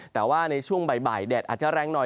แต่ว่าในช่วงบ่ายแดดอาจจะแรงหน่อย